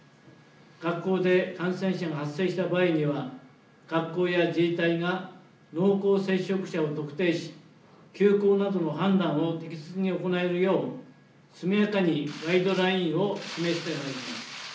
学校で感染者が発生した場合には学校や自治体が濃厚接触者を特定し適切に判断を行えるよう速やかにガイドラインを示していきます。